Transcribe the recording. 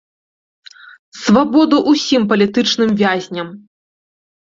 Свабоду ўсім палітычным вязням!